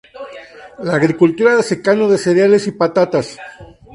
Agricultura de secano de cereales y patatas.